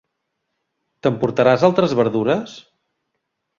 T"emportaràs altres verdures?